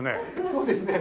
そうですね。